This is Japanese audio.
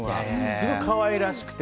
すごい可愛らしくて。